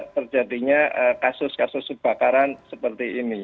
terjadinya kasus kasus subakaran seperti ini